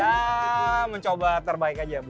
ya mencoba terbaik aja bu